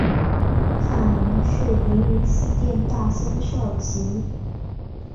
法名是灵云寺殿大仙绍其。